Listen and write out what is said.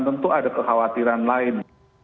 tentu ada kekhawatiran lain